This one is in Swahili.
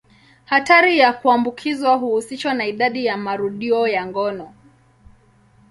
Hatari ya kuambukizwa huhusishwa na idadi ya marudio ya ngono.